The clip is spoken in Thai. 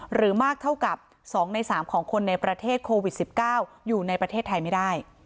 มากเท่ากับ๒ใน๓ของคนในประเทศโควิด๑๙อยู่ในประเทศไทยไม่ได้